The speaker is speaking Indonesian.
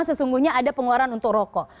sesungguhnya ada pengeluaran untuk rokok